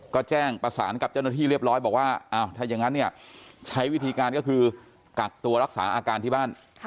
ก็แจ้งประสานกับเจ้าหน้าที่เรียบร้อยบอกว่าอ้าวถ้าอย่างนั้นเนี่ยใช้วิธีการก็คือกักตัวรักษาอาการที่บ้าน